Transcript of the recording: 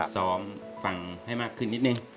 ซ้อมฟังให้มากขึ้นนิดนึง